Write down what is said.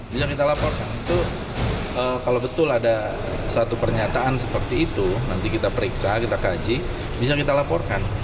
bisa kita laporkan itu kalau betul ada satu pernyataan seperti itu nanti kita periksa kita kaji bisa kita laporkan